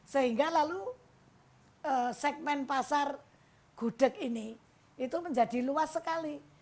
sehingga lalu segmen pasar gudeg ini itu menjadi luas sekali